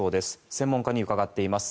専門家に伺っています。